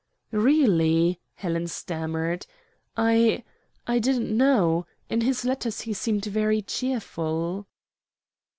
"Really," Helen stammered, "I I didn't know in his letters he seemed very cheerful."